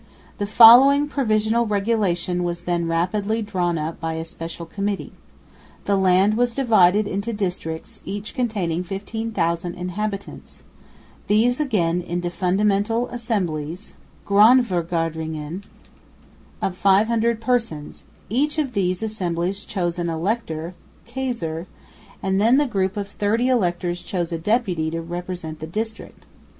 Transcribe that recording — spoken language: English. The following Provisional Regulation was then rapidly drawn up by a special committee. The land was divided into districts each containing 15,000 inhabitants; these again into fundamental assemblies (grondvergaderingen) of 500 persons; each of these assemblies chose an "elector" (kiezer); and then the group of thirty electors chose a deputy to represent the district.